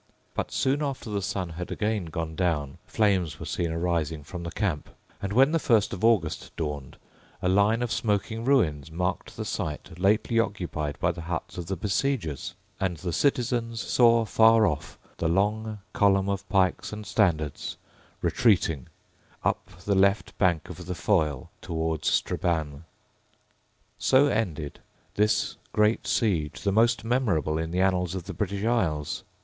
But, soon after the sun had again gone down, flames were seen arising from the camp; and, when the first of August dawned, a line of smoking ruins marked the site lately occupied by the huts of the besiegers; and the citizens saw far off the long column of pikes and standards retreating up the left bank of the Foyle towards Strabane, So ended this great siege, the most memorable in the annals of the British isles.